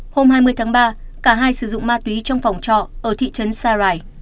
hôm hai mươi tháng ba cả hai sử dụng ma túy trong phòng trọ ở thị trấn sarai